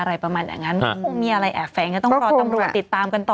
อะไรประมาณอย่างนั้นก็คงมีอะไรแอบแฝงก็ต้องรอตำรวจติดตามกันต่อ